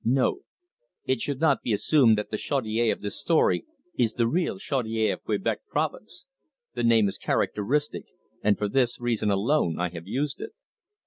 NOTE It should not be assumed that the "Chaudiere" of this story is the real Chaudiere of Quebec province. The name is characteristic, and for this reason alone I have used it.